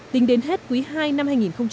tính đến hết quý hai năm hai nghìn một mươi tám